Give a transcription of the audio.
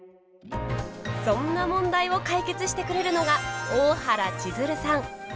そんな問題を解決してくれるのが大原千鶴さん。